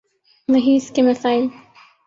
وہی اس کے مسائل۔